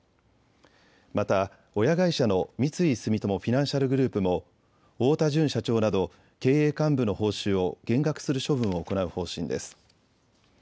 また親会社の三井住友フィナンシャルグループも太田純社長など経営幹部の報酬を減額する処分を行う方針です。